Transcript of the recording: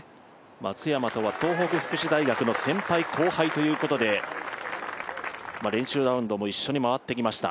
松山とは東北福祉大学の先輩、後輩ということで、練習ラウンドも一緒に回ってきました。